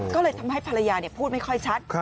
ก็เลยทำให้ภรรยาพูดไม่ค่อยชัด